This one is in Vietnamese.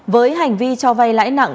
với hành vi cho vay lãi nặng